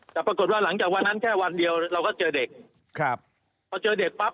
แต่ปรากฏว่าหลังจากวันนั้นแค่วันเดียวเราก็เจอเด็กครับพอเจอเด็กปั๊บ